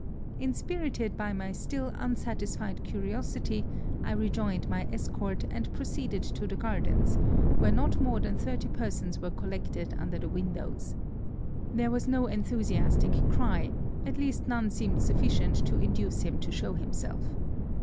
Inspirited by my still unsatisfied curiosity I re joined my escort and proceeded to the gardens, where not more than thirty persons were collected under the windows. There was no enthusiastic cry, at least none seemed sufficient to induce him to show himself.